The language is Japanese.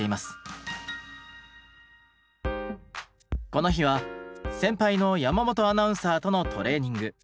この日は先輩の山本アナウンサーとのトレーニング。